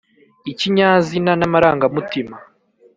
ikinyazina n’amarangamutima.